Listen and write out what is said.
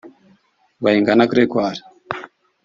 Bayingana Gregoire